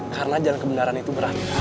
karena jalan kebenaran itu berakhir